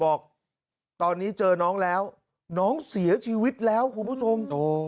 บอกตอนนี้เจอน้องแล้วน้องเสียชีวิตแล้วคุณผู้ชม